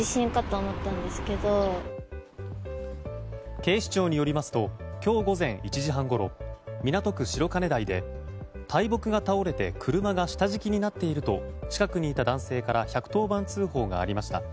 警視庁によりますと今日午前１時半ごろ港区白金台で大木が倒れて車が下敷きになっていると近くにいた男性から１１０番通報がありました。